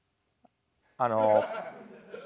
あの。